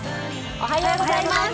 おはようございます。